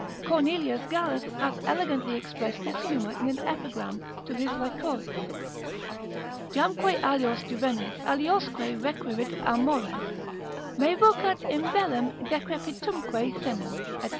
Cornelius Gallus hath elegantly expressed this humour in an epigram to his Lychoris. Jamque alios juvenes aliosque requirit amores, Me vocat imbellem decrepitumque senem, &c.